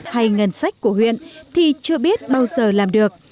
hay ngân sách của huyện thì chưa biết bao giờ làm được